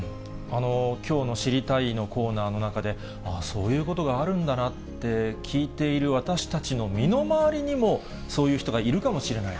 きょうの知りたいッ！のコーナーの中で、ああ、そういうことがあるんだなって聞いている私たちの身の回りにも、そういう人がいるかもしれない。